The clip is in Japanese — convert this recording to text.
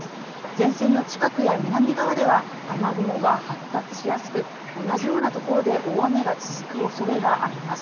前線の近くや南側では、雨雲が発達しやすく、同じような所で大雨が続くおそれがあります。